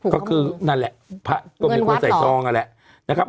ก็คือนั่นแหละ